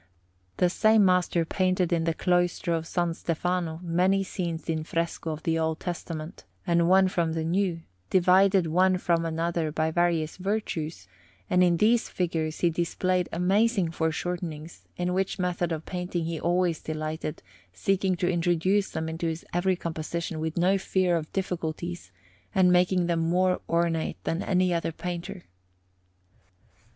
The same master painted in the cloister of S. Stefano many scenes in fresco from the Old Testament, and one from the New, divided one from another by various Virtues; and in these figures he displayed amazing foreshortenings, in which method of painting he always delighted, seeking to introduce them into his every composition with no fear of difficulties, and making them more ornate than any other painter.